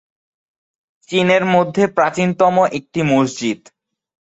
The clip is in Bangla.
চীনের মধ্যে প্রাচীনতম একটি মসজিদ।